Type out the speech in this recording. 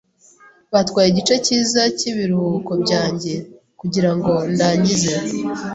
Byatwaye igice cyiza cyibiruhuko byanjye kugirango ndangize.